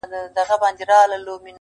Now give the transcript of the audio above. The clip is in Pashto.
اورنګ دي اوس چپاو کوي پر پېغلو ګودرونو.!